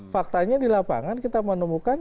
faktanya di lapangan kita menemukan